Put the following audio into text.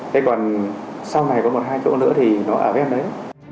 thế còn sau này có một hai chỗ nữa thì nó ở ven đấy